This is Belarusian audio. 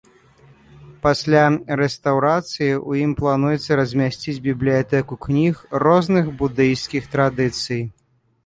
Пасля рэстаўрацыі ў ім плануецца размясціць бібліятэку кніг розных будыйскіх традыцый.